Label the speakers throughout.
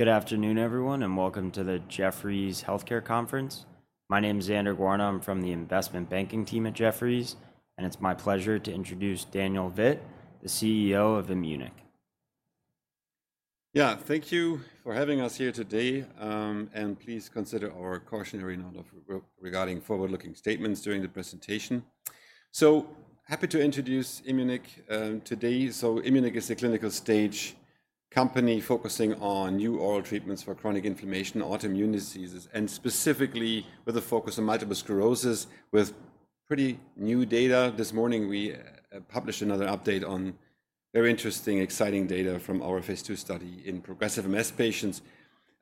Speaker 1: Good afternoon, everyone, and welcome to the Jefferies Healthcare Conference. My name is Xander Guarna. I'm from the investment banking team at Jefferies, and it's my pleasure to introduce Daniel Vitt, the CEO of Immunic.
Speaker 2: Yeah, thank you for having us here today. Please consider our cautionary note regarding forward-looking statements during the presentation. Happy to introduce Immunic today. Immunic is a clinical-stage company focusing on new oral treatments for chronic inflammation, autoimmune diseases, and specifically with a focus on multiple sclerosis. With pretty new data. This morning we published another update on very interesting, exciting data from our phase 2 study in progressive MS patients.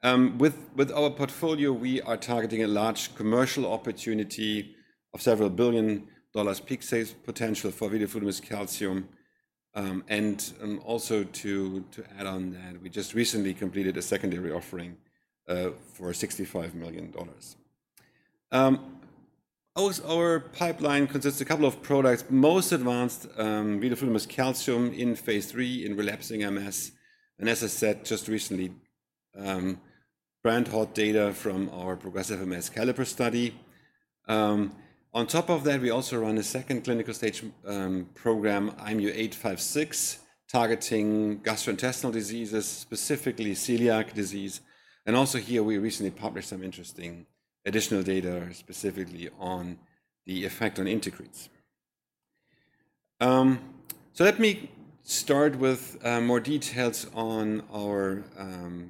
Speaker 2: With our portfolio, we are targeting a large commercial opportunity of several-billion-dollars peak sales potential for vidofludimus calcium. Also to add on that, we just recently completed a secondary offering for $65 million. Our pipeline consists of a couple of products, most advanced vidofludimus calcium in phase 3 in relapsing MS. As I said, just recently brand hot data from our progressive MS CALLIPER study. On top of that, we also run a second clinical stage program, IMU-856, targeting gastrointestinal diseases, specifically celiac disease. Also here, we recently published some interesting additional data specifically on the effect on integrins. Let me start with more details on our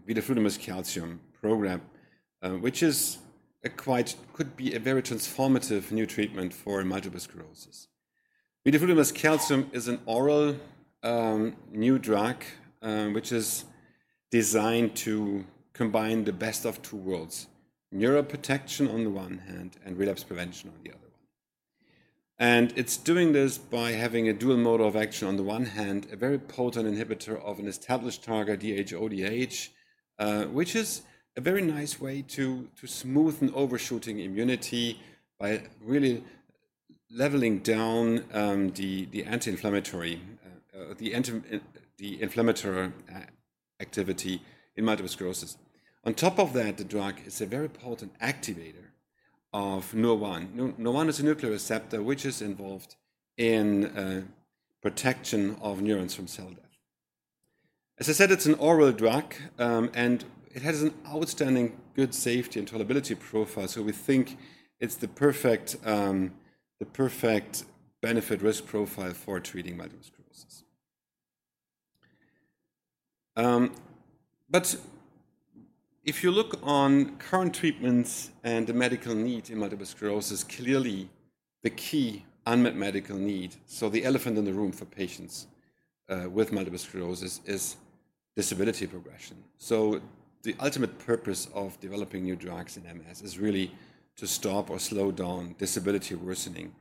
Speaker 2: vidofludimus calcium program, which is quite, could be a very transformative new treatment for multiple sclerosis. Vidofludimus calcium is an oral new drug, which is designed to combine the best of two worlds: Neuroprotection on the one hand and relapse prevention on the other one. It is doing this by having a dual mode of action on the one hand, a very potent inhibitor of an established target, DHODH, which is a very nice way to smooth an overshooting immunity by really leveling down the inflammatory activity in multiple sclerosis. On top of that, the drug is a very potent activator of NURR1. NURR1 is a nuclear receptor which is involved in protection of neurons from cell death. As I said, it's an oral drug, and it has an outstanding good safety and tolerability profile. We think it's the perfect benefit-risk profile for treating multiple sclerosis. If you look on current treatments and the medical need in multiple sclerosis, clearly the key unmet medical need, the elephant in the room for patients with multiple sclerosis, is disability progression. The ultimate purpose of developing new drugs in MS is really to stop or slow down disability worsening.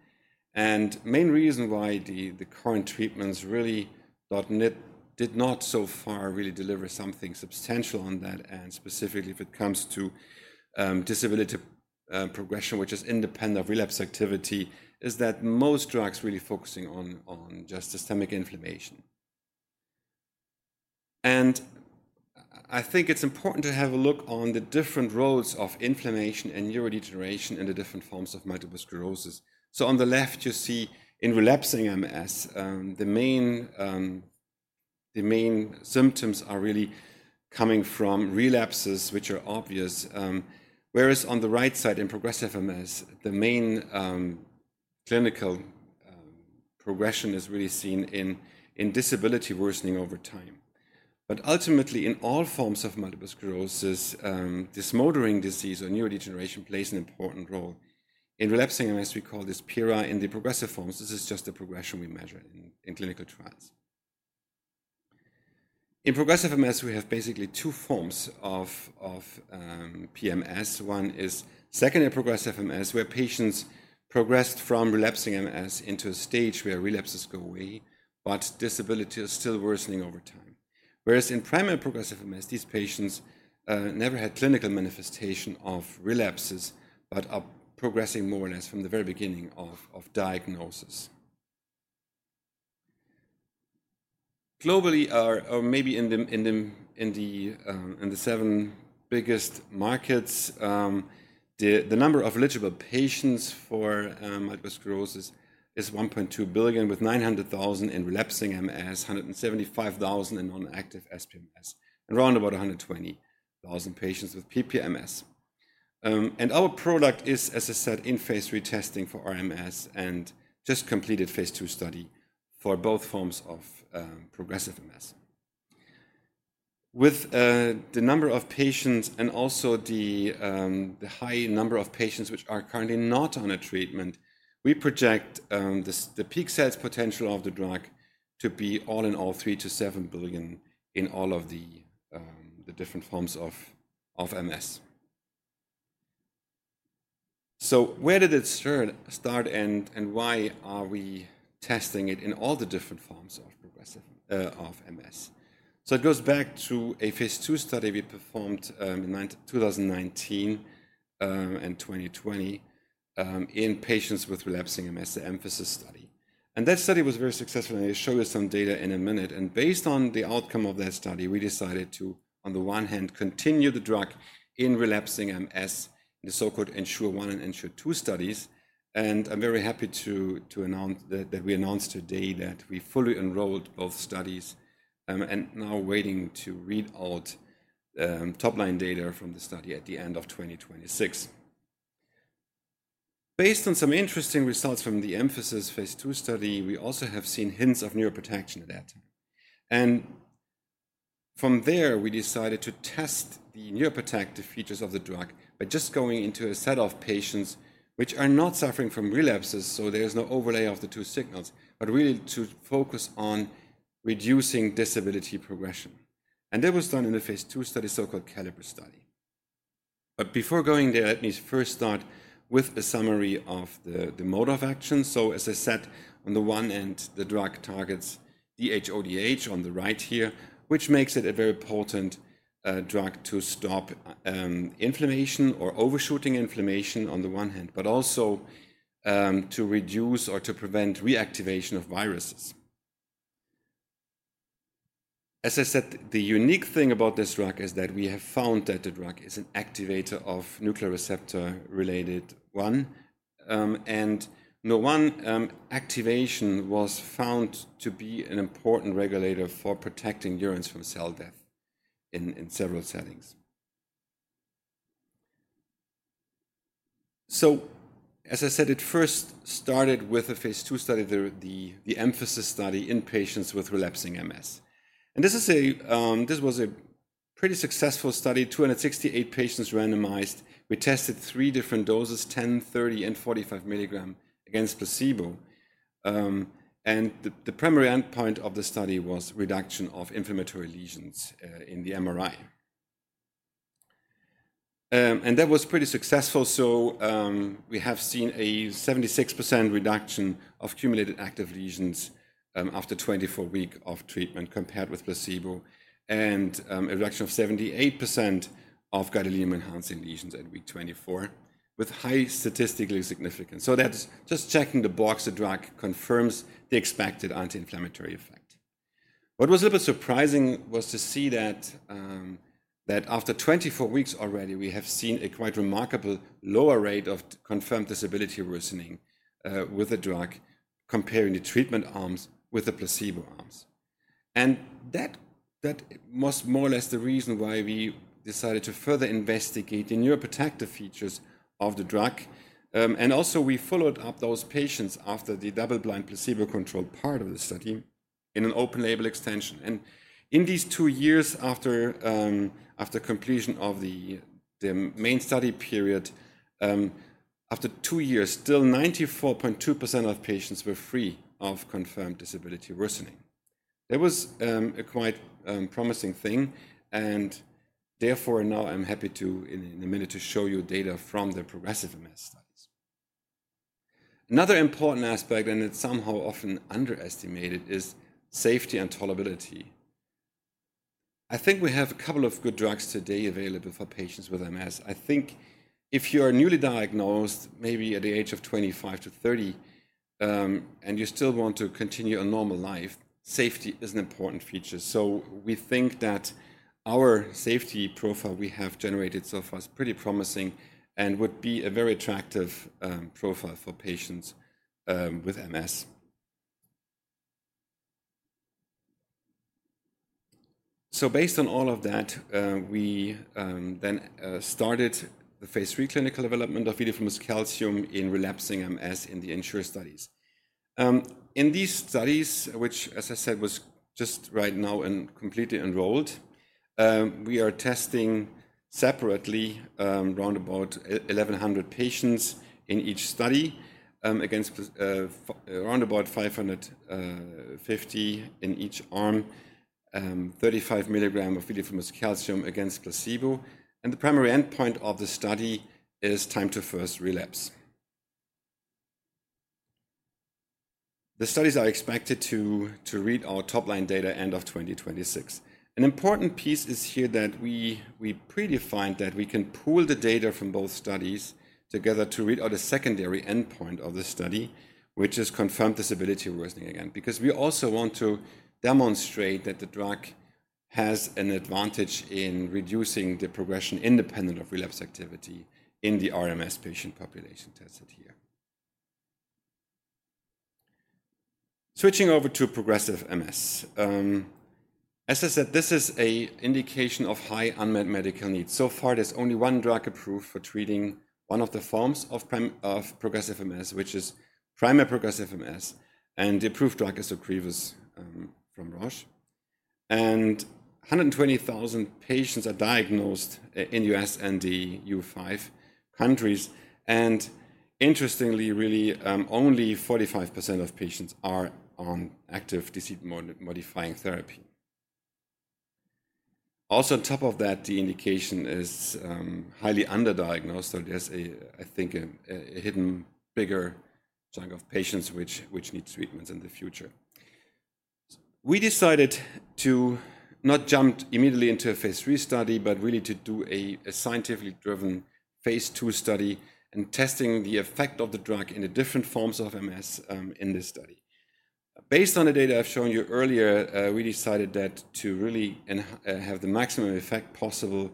Speaker 2: The main reason why the current treatments really did not so far really deliver something substantial on that, specifically if it comes to disability progression, which is independent of relapse activity, is that most drugs are really focusing on just systemic inflammation. I think it's important to have a look on the different roles of inflammation and neurodegeneration in the different forms of multiple sclerosis. On the left, you see in relapsing MS, the main symptoms are really coming from relapses, which are obvious. Whereas on the right side in progressive MS, the main clinical progression is really seen in disability worsening over time. Ultimately, in all forms of multiple sclerosis, this motoring disease or neurodegeneration plays an important role. In relapsing MS, we call this PIRA. In the progressive forms, this is just the progression we measure in clinical trials. In progressive MS, we have basically two forms of PMS. One is secondary progressive MS, where patients progressed from relapsing MS into a stage where relapses go away, but disability is still worsening over time. Whereas in primary progressive MS, these patients never had clinical manifestation of relapses, but are progressing more or less from the very beginning of diagnosis. Globally, or maybe in the seven biggest markets, the number of eligible patients for multiple sclerosis is 1.2 billion, with 900,000 in relapsing MS, 175,000 in non-active SPMS, and around about 120,000 patients with PPMS. Our product is, as I said, in phase-3 testing for RMS and just completed phase 2 study for both forms of progressive MS. With the number of patients and also the high number of patients which are currently not on a treatment, we project the peak sales potential of the drug to be all in all $3 billion-$7 billion in all of the different forms of MS. Where did it start and why are we testing it in all the different forms of MS? It goes back to a phase-2 study we performed in 2019 and 2020 in patients with relapsing MS, the EMphASIS study. That study was very successful. I'll show you some data in a minute. Based on the outcome of that study, we decided to, on the one hand, continue the drug in relapsing MS in the so-called ENSURE-1 and ENSURE-2 studies. I'm very happy to announce that we announced today that we fully enrolled both studies and are now waiting to read out topline data from the study at the end of 2026. Based on some interesting results from the EMPhASIS phase two study, we also have seen hints of neuroprotection at that time. From there, we decided to test the neuroprotective features of the drug by just going into a set of patients which are not suffering from relapses. There is no overlay of the two signals, but really to focus on reducing disability progression. That was done in a phase-2 study, so-called CALLIPER study. Before going there, let me first start with a summary of the mode of action. As I said, on the one end, the drug targets DHODH on the right here, which makes it a very potent drug to stop inflammation or overshooting inflammation on the one hand, but also to reduce or to prevent reactivation of viruses. As I said, the unique thing about this drug is that we have found that the drug is an activator of nuclear receptor-related 1, and NURR1 activation was found to be an important regulator for protecting neurons from cell death in several settings. As I said, it first started with a phase-2 study, the EMPhaSIS study in patients with relapsing MS. This was a pretty successful study, 268 patients randomized. We tested three different doses, 10, 30, and 45 mg against placebo. The primary endpoint of the study was reduction of inflammatory lesions in the MRI. That was pretty successful. We have seen a 76% reduction of cumulated active lesions after 24 weeks of treatment compared with placebo, and a reduction of 78% of gadolinium-enhancing lesions at week 24 with high statistical significance. That is just checking the box. The drug confirms the expected anti-inflammatory effect. What was a little bit surprising was to see that after 24 weeks already, we have seen a quite remarkable lower rate of confirmed disability worsening with the drug comparing the treatment arms with the placebo arms. That was more or less the reason why we decided to further investigate the neuroprotective features of the drug. We followed up those patients after the double-blind placebo-controlled part of the study in an open-label extension. In these two years after completion of the main study period, after two years, still 94.2% of patients were free of confirmed disability worsening. That was a quite promising thing. Therefore, now I'm happy to, in a minute, show you data from the progressive MS studies. Another important aspect, and it's somehow often underestimated, is safety and tolerability. I think we have a couple of good drugs today available for patients with MS. I think if you are newly diagnosed, maybe at the age of 25 to 30, and you still want to continue a normal life, safety is an important feature. We think that our safety profile we have generated so far is pretty promising and would be a very attractive profile for patients with MS. Based on all of that, we then started the phase-3 clinical development of vidofludimus calcium in relapsing MS in the ENSURE studies. In these studies, which, as I said, was just right now completely enrolled, we are testing separately around about 1,100 patients in each study against around about 550 in each arm, 35 mg of vidofludimus calcium against placebo. The primary endpoint of the study is time to first relapse. The studies are expected to read our top line data end of 2026. An important piece is here that we predefined that we can pool the data from both studies together to read out a secondary endpoint of the study, which is confirmed disability worsening again, because we also want to demonstrate that the drug has an advantage in reducing the progression independent of relapse activity in the RMS patient population tested here. Switching over to progressive MS. As I said, this is an indication of high unmet medical needs. So far, there is only one drug approved for treating one of the forms of progressive MS, which is primary progressive MS. The approved drug is Ocrevus from Roche, and 120,000 patients are diagnosed in the U.S. and the EU5 countries. Interestingly, really only 45% of patients are on active disease-modifying therapy. Also, on top of that, the indication is highly underdiagnosed. There's, I think, a hidden bigger chunk of patients which need treatments in the future. We decided to not jump immediately into a phase-3 study, but really to do a scientifically driven phase-2 study and testing the effect of the drug in different forms of MS in this study. Based on the data I've shown you earlier, we decided that to really have the maximum effect possible,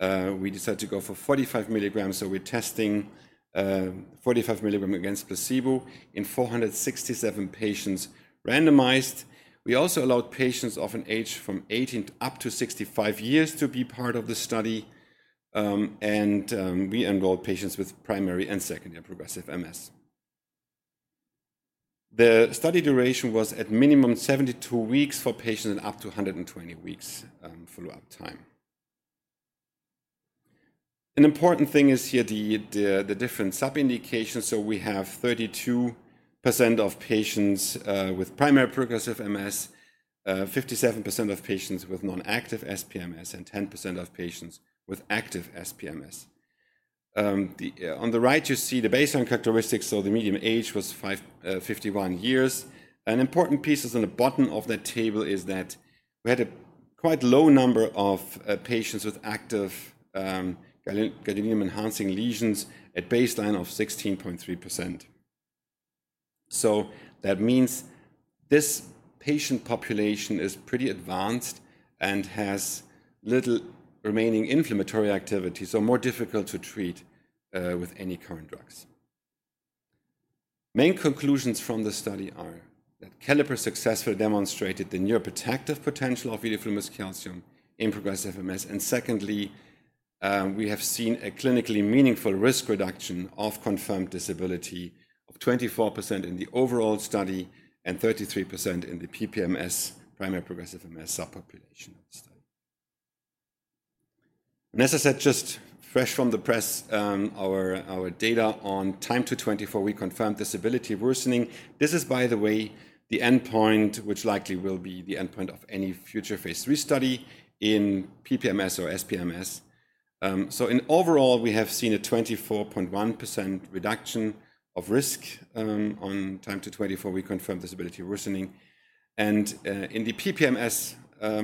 Speaker 2: we decided to go for 45 mg. We're testing 45 mg against placebo in 467 patients randomized. We also allowed patients of an age from 18 up to 65 years to be part of the study. We enrolled patients with primary and secondary progressive MS. The study duration was at minimum 72 weeks for patients and up to 120 weeks follow-up time. An important thing is here the different sub-indications. We have 32% of patients with primary progressive MS, 57% of patients with non-active SPMS, and 10% of patients with active SPMS. On the right, you see the baseline characteristics. The median age was 51 years. An important piece is on the bottom of that table is that we had a quite low number of patients with active gadolinium-enhancing lesions at baseline of 16.3%. That means this patient population is pretty advanced and has little remaining inflammatory activity. More difficult to treat with any current drugs. Main conclusions from the study are that CALLIPER successfully demonstrated the neuroprotective potential of vidofludimus calcium in progressive MS. Secondly, we have seen a clinically meaningful risk reduction of confirmed disability of 24% in the overall study and 33% in the PPMS, primary progressive MS subpopulation of the study. As I said, just fresh from the press, our data on time to 24-week confirmed disability worsening. This is, by the way, the endpoint, which likely will be the endpoint of any future phase-3 study in PPMS or SPMS. Overall, we have seen a 24.1% reduction of risk on time to 24-week confirmed disability worsening. In the PPMS,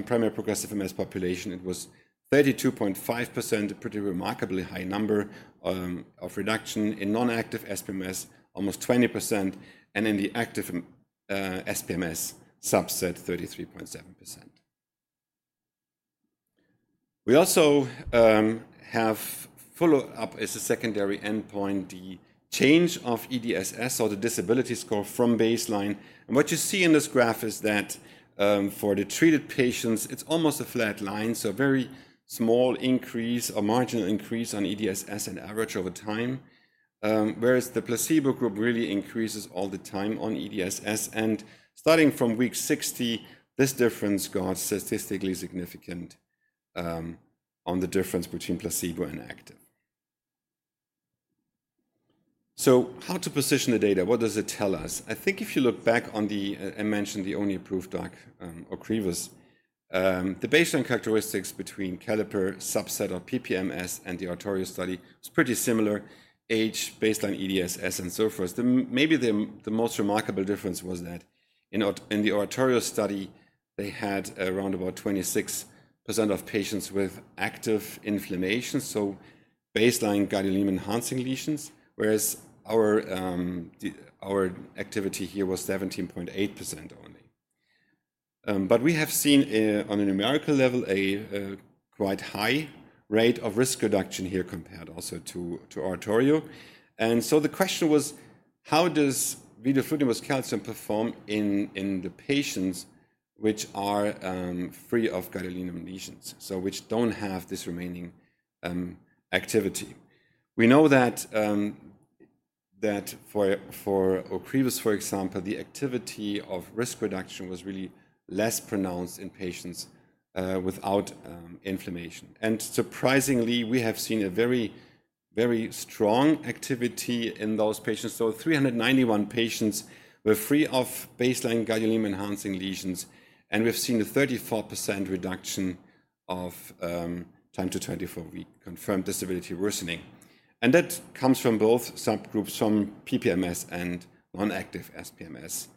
Speaker 2: primary progressive MS population, it was 32.5%, a pretty remarkably high number of reduction; in non-active SPMS, almost 20%; and in the active SPMS subset, 33.7%. We also have followed up as a secondary endpoint the change of EDSS, or the disability score from baseline. What you see in this graph is that for the treated patients, it's almost a flat line. A very small increase or marginal increase on EDSS and average over time, whereas the placebo group really increases all the time on EDSS. Starting from week 60, this difference got statistically significant on the difference between placebo and active. How to position the data? What does it tell us? I think if you look back on the, I mentioned the only approved drug, Ocrevus, the baseline characteristics between CALLIPER subset of PPMS and the ORATORIO study was pretty similar: age, baseline EDSS, and so forth. Maybe the most remarkable difference was that in the ORATORIO study, they had around about 26% of patients with active inflammation, so baseline gadolinium-enhancing lesions, whereas our activity here was 17.8% only. We have seen on a numerical level a quite high rate of risk reduction here compared also to ORATORIO. The question was, how does vidofludimus calcium perform in the patients which are free of gadolinium lesions, so which do not have this remaining activity? We know that for Ocrevus, for example, the activity of risk reduction was really less pronounced in patients without inflammation. Surprisingly, we have seen a very, very strong activity in those patients, 391 atients were free of baseline gadolinium-enhancing lesions, and we have seen a 34% reduction of time to 24-week confirmed disability worsening. That comes from both subgroups, from PPMS and non-active SPMS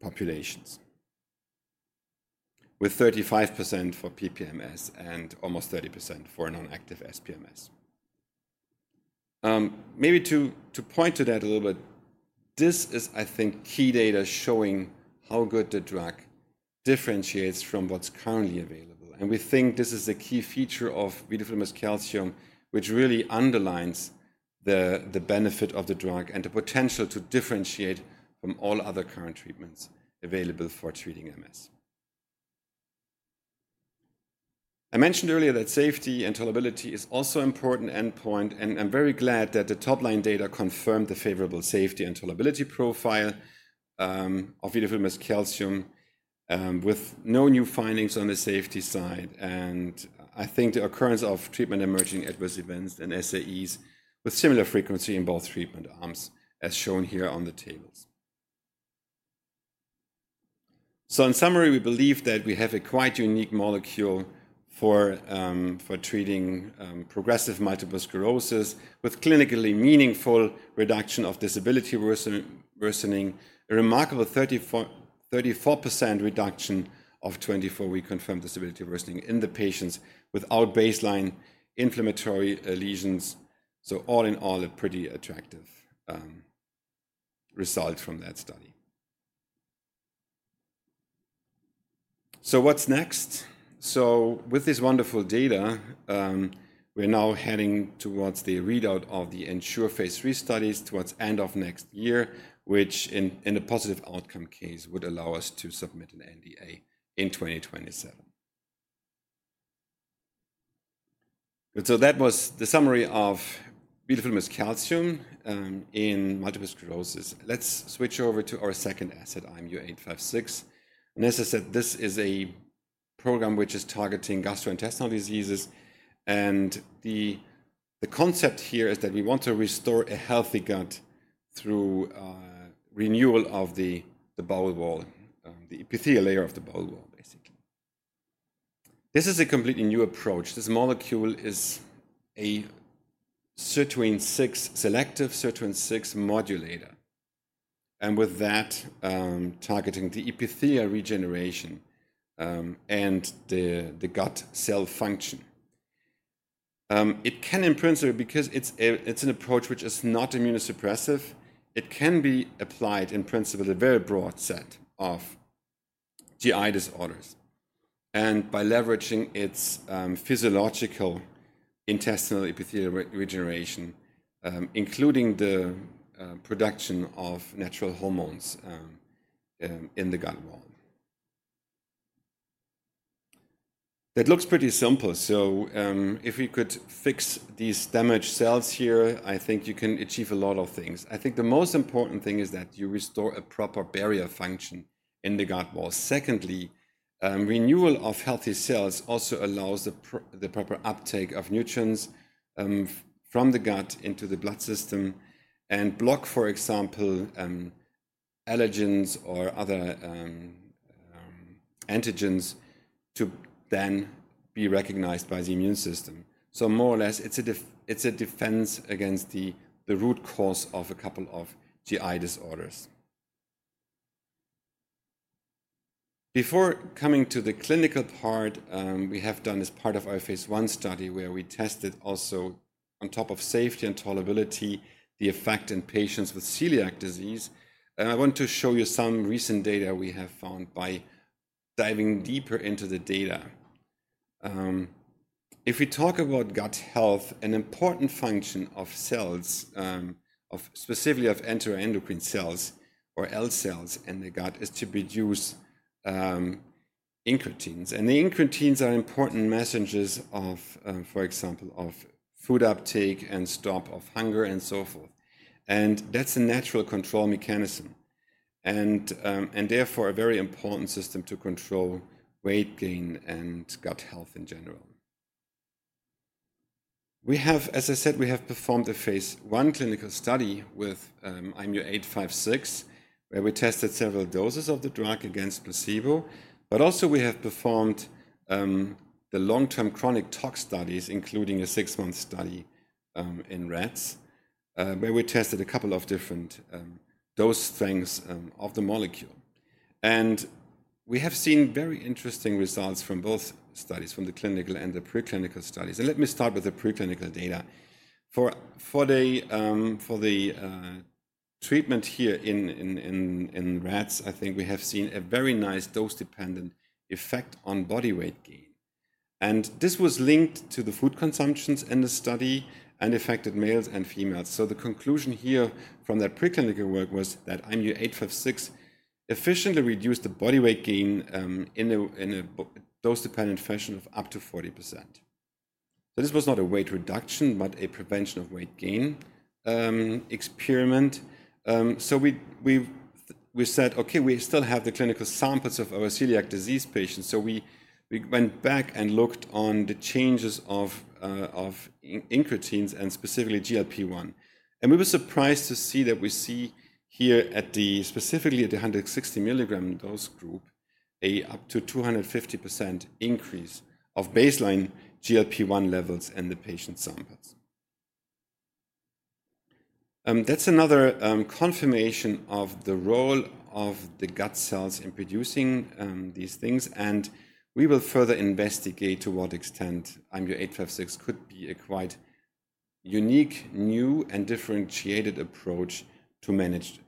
Speaker 2: populations, with 35% for PPMS and almost 30% for non-active SPMS. Maybe to point to that a little bit, this is, I think, key data showing how good the drug differentiates from what is currently available. We think this is a key feature of vidofludimus calcium, which really underlines the benefit of the drug and the potential to differentiate from all other current treatments available for treating MS. I mentioned earlier that safety and tolerability is also an important endpoint, and I'm very glad that the topline data confirmed the favorable safety and tolerability profile of vidofludimus calcium with no new findings on the safety side. I think the occurrence of treatment-emerging adverse events and SAEs with similar frequency in both treatment arms, as shown here on the tables. In summary, we believe that we have a quite unique molecule for treating progressive multiple sclerosis with clinically meaningful reduction of disability worsening, a remarkable 34% reduction of 24-week confirmed disability worsening in the patients without baseline inflammatory lesions. All in all, a pretty attractive result from that study. What's next? With this wonderful data, we're now heading towards the readout of the ENSURE phase-3 studies towards the end of next year, which in a positive outcome case would allow us to submit an NDA in 2027. That was the summary of vidofludimus calcium in multiple sclerosis. Let's switch over to our second asset, IMU-856. As I said, this is a program which is targeting gastrointestinal diseases. The concept here is that we want to restore a healthy gut through renewal of the bowel wall, the epithelial layer of the bowel wall, basically. This is a completely new approach. This molecule is a Sirtuin 6 selective, Sirtuin 6 modulator, and with that targeting the epithelial regeneration and the gut cell function. It can, in principle, because it's an approach which is not immunosuppressive, it can be applied, in principle, to a very broad set of GI disorders and by leveraging its physiological intestinal epithelial regeneration, including the production of natural hormones in the gut wall. That looks pretty simple. If we could fix these damaged cells here, I think you can achieve a lot of things. I think the most important thing is that you restore a proper barrier function in the gut wall. Secondly, renewal of healthy cells also allows the proper uptake of nutrients from the gut into the blood system and block, for example, allergens or other antigens to then be recognized by the immune system. More or less, it's a defense against the root cause of a couple of GI disorders. Before coming to the clinical part, we have done as part of our phase-1 study where we tested also on top of safety and tolerability the effect in patients with celiac disease. I want to show you some recent data we have found by diving deeper into the data. If we talk about gut health, an important function of cells, specifically of enteroendocrine cells or L-cells in the gut, is to produce incretins. The incretins are important messengers of, for example, food uptake and stop of hunger and so forth. That is a natural control mechanism and therefore a very important system to control weight gain and gut health in general. We have, as I said, performed a phase one clinical study with IMU-856, where we tested several doses of the drug against placebo. We have performed the long-term chronic tox studies, including a six-month study in rats, where we tested a couple of different dose strengths of the molecule. We have seen very interesting results from both studies, from the clinical and the preclinical studies. Let me start with the preclinical data. For the treatment here in rats, I think we have seen a very nice dose-dependent effect on body weight gain. This was linked to the food consumptions in the study and affected males and females. The conclusion here from that preclinical work was that IMU-856 efficiently reduced the body weight gain in a dose-dependent fashion of up to 40%. This was not a weight reduction, but a prevention of weight gain experiment. We said, okay, we still have the clinical samples of our celiac disease patients. We went back and looked on the changes of incretins and specifically GLP-1. We were surprised to see that we see here at the specifically at the 160-mg-dose group, an up to 250% increase of baseline GLP-1 levels in the patient samples. That is another confirmation of the role of the gut cells in producing these things. We will further investigate to what extent IMU-856 could be a quite unique, new, and differentiated approach to manage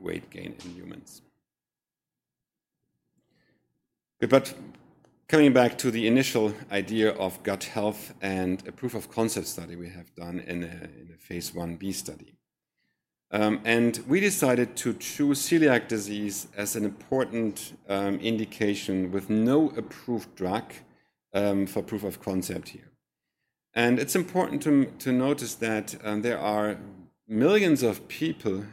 Speaker 2: weight gain in humans. Coming back to the initial idea of gut health and a proof of concept study we have done in a phase-1B study. We decided to choose celiac disease as an important indication with no approved drug for proof of concept here. It is important to notice that there are millions of people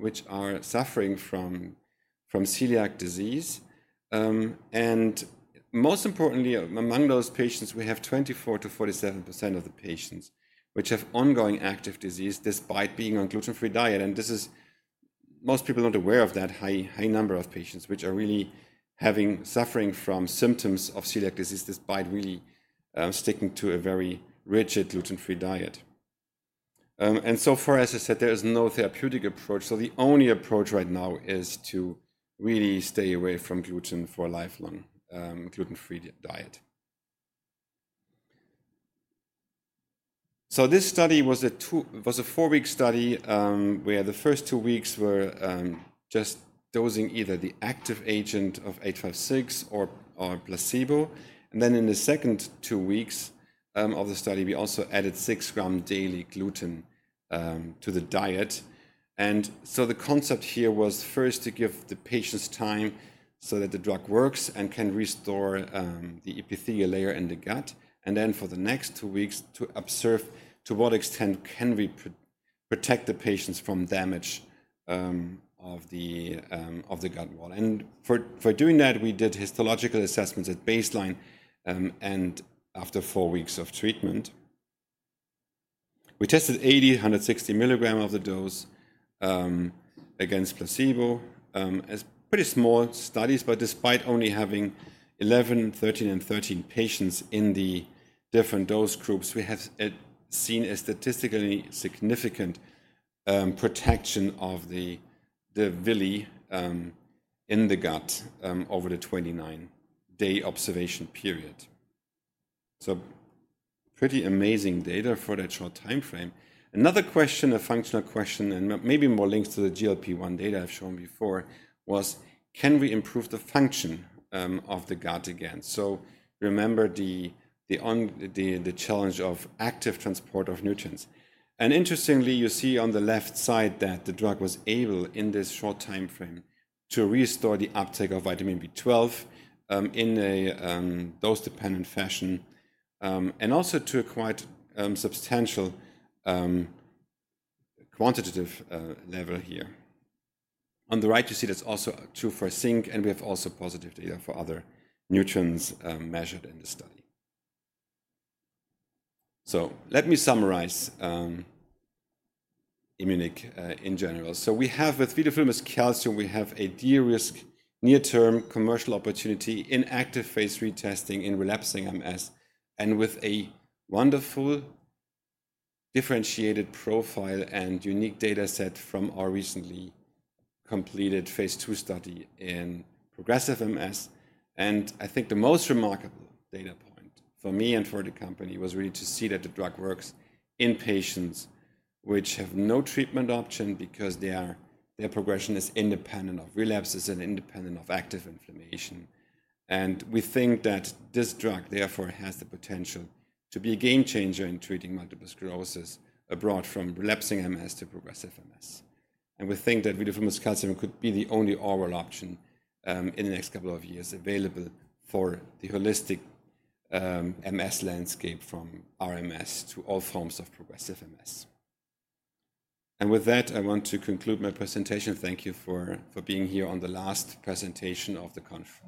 Speaker 2: which are suffering from celiac disease. Most importantly, among those patients, we have 24%-47% of the patients which have ongoing active disease despite being on a gluten-free diet. This is most people not aware of that high number of patients which are really suffering from symptoms of celiac disease despite really sticking to a very rigid gluten-free diet. So far, as I said, there is no therapeutic approach. The only approach right now is to really stay away from gluten for a lifelong gluten-free diet. This study was a four-week study where the first two weeks were just dosing either the active agent of 856 or placebo. In the second two weeks of the study, we also added 6-g daily gluten to the diet. The concept here was first to give the patients time so that the drug works and can restore the epithelial layer in the gut. For the next two weeks, to observe to what extent can we protect the patients from damage of the gut wall. For doing that, we did histological assessments at baseline and after four weeks of treatment. We tested 80 mg, 160 milligrams of the dose against placebo as pretty small studies. Despite only having 11, 13, and 13 patients in the different dose groups, we have seen a statistically significant protection of the villi in the gut over the 29-day observation period. Pretty amazing data for that short timeframe. Another question, a functional question, and maybe more links to the GLP-1 data I've shown before, was can we improve the function of the gut again? Remember the challenge of active transport of nutrients. Interestingly, you see on the left side that the drug was able in this short time frame to restore the uptake of vitamin B12 in a dose-dependent fashion and also to a quite substantial quantitative level here. On the right, you see that's also true for zinc, and we have also positive data for other nutrients measured in the study. Let me summarize Immunic in general. We have with vidofludimus calcium, we have a de-risk near-term commercial opportunity in active phase-3 testing in relapsing MS and with a wonderful differentiated profile and unique data set from our recently completed phase-2 study in progressive MS. I think the most remarkable data point for me and for the company was really to see that the drug works in patients which have no treatment option because their progression is independent of relapses and independent of active inflammation. We think that this drug, therefore, has the potential to be a game changer in treating multiple sclerosis abroad from relapsing MS to progressive MS. We think that vidofludimus calcium could be the only oral option in the next couple of years available for the holistic MS landscape from RMS to all forms of progressive MS. With that, I want to conclude my presentation. Thank you for being here on the last presentation of the conference.